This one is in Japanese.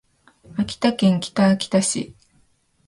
秋田県北秋田市